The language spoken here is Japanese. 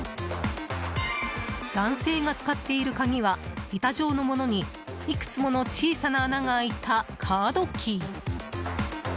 男性が使っている鍵は板状のものにいくつもの小さな穴が開いたカードキー。